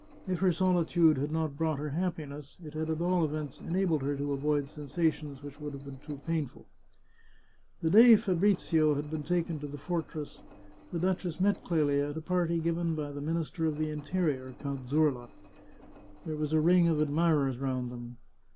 If her solitude had not brought her happiness, it had at all events enabled her to avoid sensations which would have been too painful. The day Fabrizio had been taken to the fortress, the duchess met Clelia at a party given by the Minister of the Interior, Count Zurla. There was a ring of admirers round them.